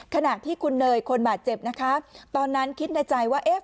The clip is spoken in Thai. ขณะที่คุณเนยคนบาดเจ็บนะคะตอนนั้นคิดในใจว่าเอ๊ะ